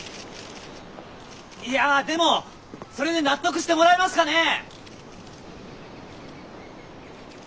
いやでもそれで納得してもらえますかねぇ。